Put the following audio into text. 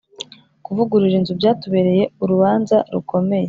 kuvugurura inzu byatubereye urubanza rukomeye.